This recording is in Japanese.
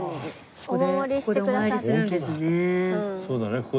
そうだね